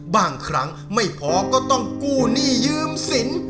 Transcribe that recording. บางครั้งไม่พอก็ต้องกู้หนี้ยืมสิน